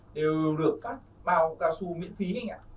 đều được các bao cao su miễn phí đấy ạ